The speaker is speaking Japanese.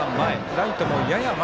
ライトも、やや前。